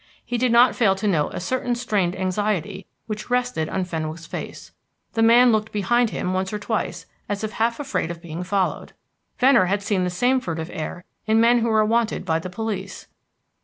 He did not fail to note a certain strained anxiety that rested on Fenwick's face. The man looked behind him once or twice, as if half afraid of being followed. Venner had seen that same furtive air in men who are wanted by the police.